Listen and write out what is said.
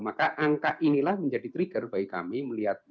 maka angka inilah menjadi trigger bagi kami